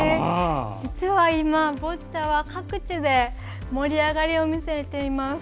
実は今、ボッチャは各地で盛り上がりを見せています。